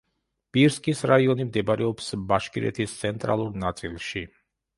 ბირსკის რაიონი მდებარეობს ბაშკირეთის ცენტრალურ ნაწილში.